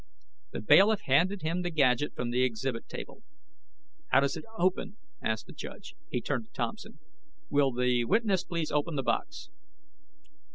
The bailiff handed him the gadget from the exhibit table. "How does it open?" asked the judge. He turned to Thompson. "Will the witness please open the box?"